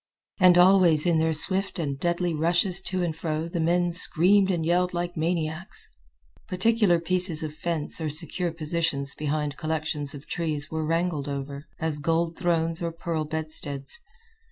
And always in their swift and deadly rushes to and fro the men screamed and yelled like maniacs. Particular pieces of fence or secure positions behind collections of trees were wrangled over, as gold thrones or pearl bedsteads.